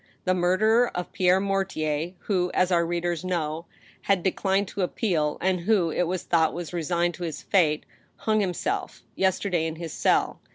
The murderer of Pierre Mortier, who, as our readers know, had de clined to appeal, and who, it was thought, was resigned to his fate, hung himself, yesterday, in his cell.